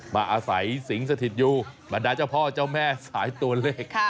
มาอาศัยสิงห์สถิตยูมาได้เจ้าพ่อเจ้าแม่สายตัวเลข